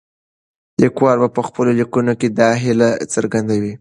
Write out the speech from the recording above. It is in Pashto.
لیکوال په خپلو لیکنو کې دا هیله څرګندوي.